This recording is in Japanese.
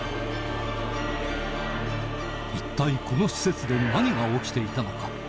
一体この施設で何が起きていたのか？